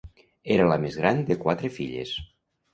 Era la més gran de quatre filles.